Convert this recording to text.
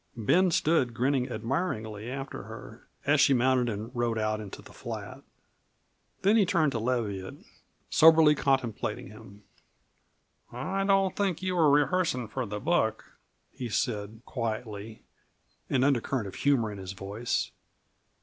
Ben stood grinning admiringly after her as she mounted and rode out into the flat. Then he turned to Leviatt, soberly contemplating him. "I don't think you were rehearsing for the book," he said quietly, an undercurrent of humor in his voice.